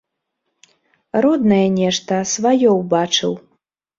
Роднае нешта, сваё ўбачыў.